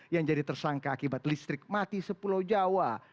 yang jadi tersangka akibat listrik mati sepulau jawa